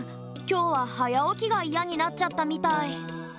きょうははやおきがイヤになっちゃったみたい。